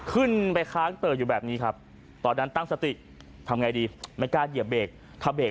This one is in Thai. ขึ้นไปค้างเต๋ออยู่แบบนี้ครับตอนนั้นตั้งสติทำไงดีไม่กล้าเหยียบเบรก